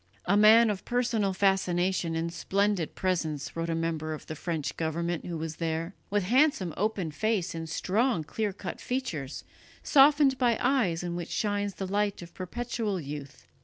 "A man of personal fascination and splendid presence," wrote a member of the French government who was there, "with handsome open face and strong clear cut features, softened by eyes in which shines the light of perpetual youth.